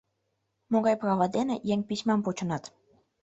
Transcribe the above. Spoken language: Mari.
Могай права дене еҥ письмам почынат?